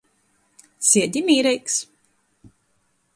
Siedi mīreigs.